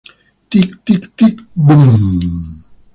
Tick, tick, tick, boom!